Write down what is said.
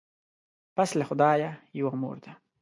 پس له خدایه یوه مور ده